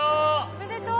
おめでとう！